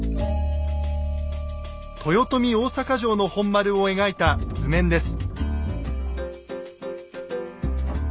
豊臣大坂城の本丸を描いた図面です。